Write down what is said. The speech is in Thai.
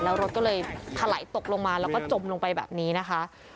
แล้วรถก็เลยถลายตกลงมาแล้วก็จมลงไปแบบนี้นะคะ